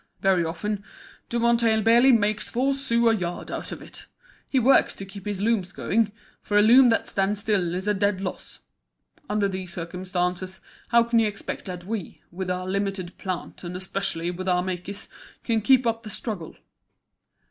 Very often Dumonteil barely makes four sous a yard out of it. He works to keep his looms going, for a loom that stands still is a dead loss. Under these circumstances how can you expect that we, with our limited plant, and especially with our makers, can keep up the struggle?"